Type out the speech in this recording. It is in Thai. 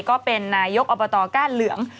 ก็เป็นนายกอบตก้านเหลือง